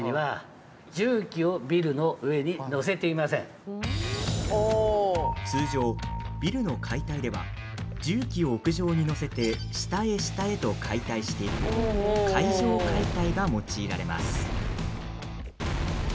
超高層で行う通常、ビルの解体では重機を屋上に乗せて下へ下へと解体していく階上解体が用いられます。